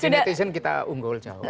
si netizen kita unggul jauh